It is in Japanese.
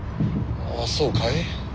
あそうかい。